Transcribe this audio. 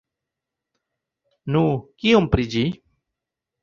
Nu, kion pri ĝi?